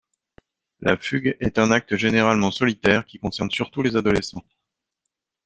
La fugue est un acte généralement solitaire qui concerne surtout les adolescents.